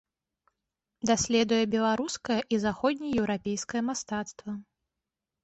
Даследуе беларускае і заходнееўрапейскае мастацтва.